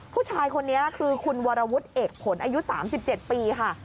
ผู้ชายคนนี้คือคุณวรวุฒิเอกผลอายุ๓๗ปีค่ะ